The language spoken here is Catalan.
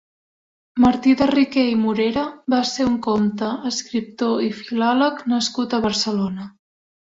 Martí de Riquer i Morera va ser un comte, escriptor i filòleg nascut a Barcelona.